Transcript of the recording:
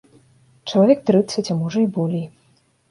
Чалавек трыццаць, а можа і болей.